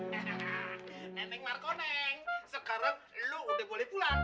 hahaha neneng marko neng sekarang lo udah boleh pulang